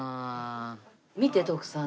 見て徳さん